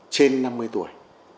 trên năm mươi tuổi